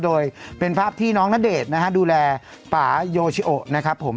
โดยเป็นภาพที่น้องณเดชน์นะฮะดูแลป่าโยชิโอนะครับผม